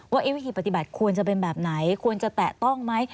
ว่าวิธีปฏิบัติควรจะเป็นแบบไหนควรจะแตะต้องไหม